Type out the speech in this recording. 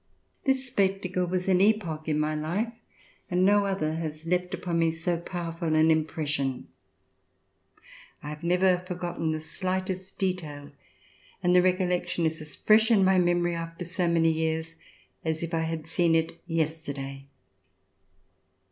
This spectacle was an epoch in my life and no other has left upon me so powerful an impression. I have never forgotten the slightest detail and the recollection is as fresh in my memory after so many years, as if I had seen it yesterday.